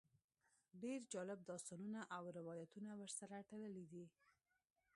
ډېر جالب داستانونه او روایتونه ورسره تړلي دي.